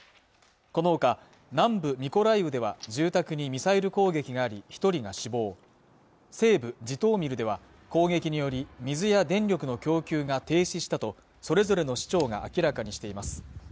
このほか南部ミコライウでは住宅にミサイル攻撃があり一人が死亡西部ジトーミルでは攻撃により水や電力の供給が停止したとそれぞれの市長が明らかにしています